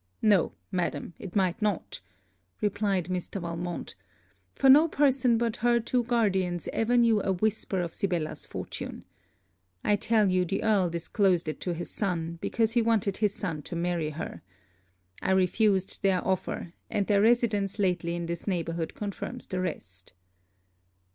'No, Madam; it might not;' replied Mr. Valmont; 'for no person but her two guardians ever knew a whisper of Sibella's fortune. I tell you the Earl disclosed it to his son, because he wanted his son to marry her. I refused their offer; and their residence lately in this neighbourhood confirms the rest.'